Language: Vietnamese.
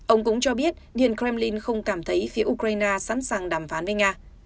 ông cũng cho biết điện kremlin không cảm thấy phía ukraine sẵn sàng đàm phán với nga